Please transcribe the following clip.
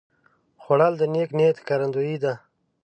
خوړل د نیک نیت ښکارندویي ده